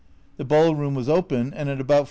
The ball room was open, and at about 4.